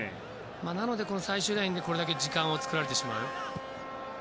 なので最終ラインでこれだけ時間を作られてしまう。